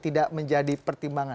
tidak menjadi pertimbangan